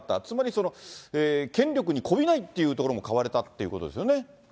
つまり権力にこびないっていうところも買われたっていうことです